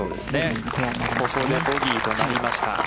ここでボギーとなりました。